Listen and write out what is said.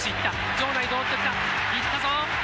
場内回ってきた、いったぞ。